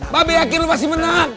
mabek yakin lo pasti menang